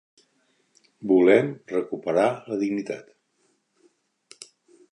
Volem recuperar la dignitat.